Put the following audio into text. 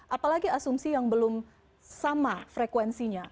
apalagi asumsi yang belum sama frekuensinya